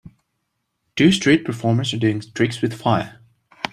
Two street performers are doing tricks with fire